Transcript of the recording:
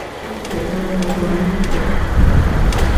Fue publicado por "Roaring Brook Press".